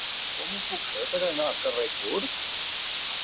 Com ho puc fer per anar al carrer Curt?